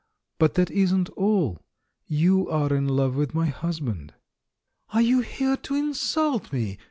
But that isn't all — you are in love with my husband." "Are you here to insult me?"